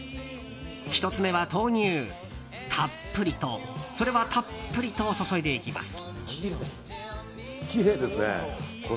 １つ目は豆乳、たっぷりとそれはたっぷりと注いでいきます。